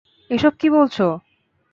এসব কী বলছ?